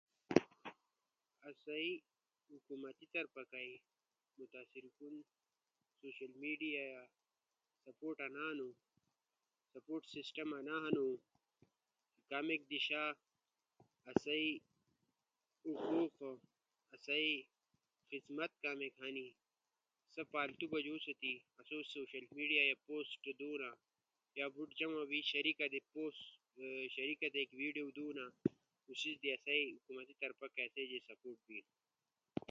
آسئی حکومتی طرفا کئی متاثرکن سوشل میڈیا یا سپورٹ انا ہنو سپورٹ سسٹم انا ہنو کامیک دیشا اسئی اومو کو اسئی خیزمت کامیک ہنی سا پالٹی بجوستی، آسو سوشل میڈیا در پوسٹ دونا یا بوٹی یار دوست جمع بیلی اؤ شریکا در ایک پوسٹ یا ویڈیو دونا۔ لیس در حکومتی طرفا کئی اسو جے سپورٹ بینو۔ کے آسئی اواز سوشل میڈیا کارا ھکومت تی بونا۔ جلدی بونا۔ حکومتی اہلکارو در زور بونا،